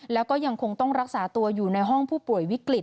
แล้วก็ยังคงต้องรักษาตัวอยู่ในห้องผู้ป่วยวิกฤต